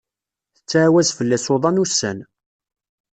Tettɛawaz fellas uḍan ussan.